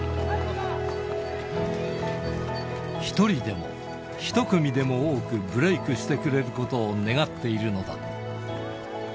１人でも、１組でも多くブレークしてくれることを願っているのだ。